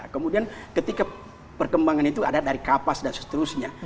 kemudian ketika perkembangan itu ada dari kapas dan seterusnya